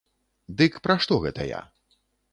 Дык пра што гэта я?